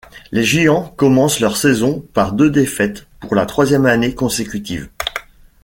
Les Giants commencent leur saison par deux défaites pour la troisième année consécutive.